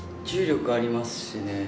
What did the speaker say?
重力ありますしね。